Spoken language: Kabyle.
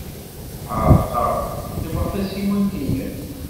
Ɛerqeɣ, ddmeɣ tasiwant-nnem.